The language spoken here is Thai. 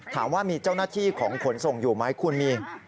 ถามว่ามีเจ้าหน้าที่ของขนส่งอยู่ไหมคุณมี